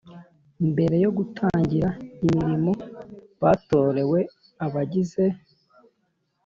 Mbere yo gutangira imirimo batorewe abagize